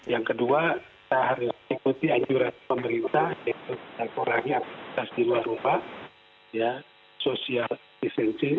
yang kedua kita harus ikuti anjuran pemerintah untuk menekurangi aktivitas di luar rumah ya social distancing